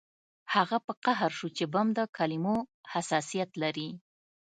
هغه په قهر شو چې بم د کلمو حساسیت لري